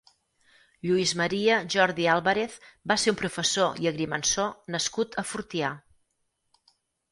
Lluís Maria Jordi Álvarez va ser un professor i agrimensor nascut a Fortià.